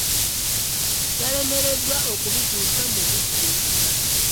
Yalemereddwa okubituusa mu budde.